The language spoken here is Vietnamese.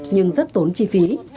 nhưng rất tốn chi phí